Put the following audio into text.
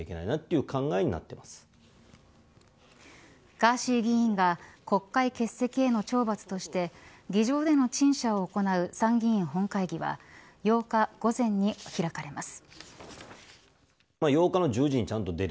ガーシー議員が国会欠席への懲罰として議場での陳謝を行う参議院本会議は８日午前に開かれます。